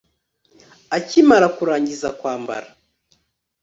akimara kurangiza kwambara